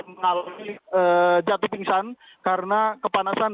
mengalami jatuh pingsan karena kepanasan